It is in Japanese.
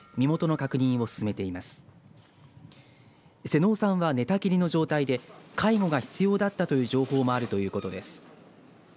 妹尾さんは寝たきりの状態で介護が必要だったという情報もあるということです。